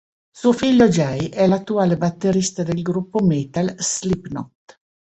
Suo Figlio Jay è l'attuale batterista del gruppo metal Slipknot.